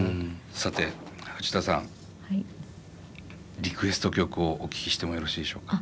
さてフチタさんリクエスト曲をお聞きしてもよろしいでしょうか？